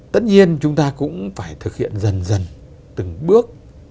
tất nhiên chúng ta cũng phải thực hiện dần dần từng bước